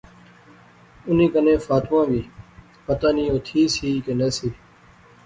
انیں کنے فاطمہ وی۔۔۔ پتہ نی او تھی سی کہ نہسی